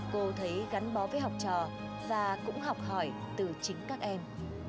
cô thấy gắn bó với học trò và cũng học hỏi từ chính các em